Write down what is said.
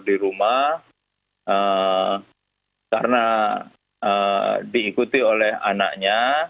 di rumah karena diikuti oleh anaknya